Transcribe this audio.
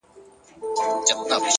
وخت د هر عمل اغېز ښکاره کوي!.